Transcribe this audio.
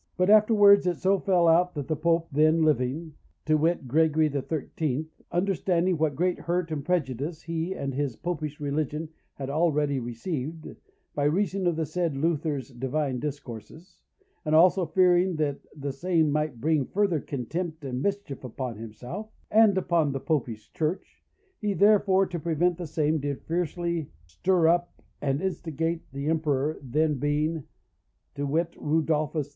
"But afterwards it so fell out that the Pope then living, viz. Gregory XIII., understanding what great hurt and prejudice he and his Popish religion had already received, by reason of the said Luther's Divine Discourses, and also fearing that the same might bring further contempt and mischief upon himself and upon the Popish Church, he therefore, to prevent the same, did fiercely stir up and instigate the Emperor then in being, viz. Rudolphus II.